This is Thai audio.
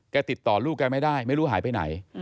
ติดต่อลูกแกไม่ได้ไม่รู้หายไปไหน